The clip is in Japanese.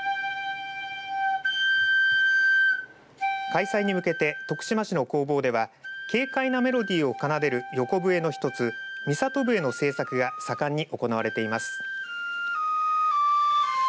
開催に向けて徳島市の工房では軽快なメロディーを奏でる横笛の１つみさと笛の製作が盛んに行われています。